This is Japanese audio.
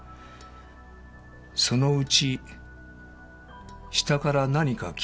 そのうち下から何か聞こえたね。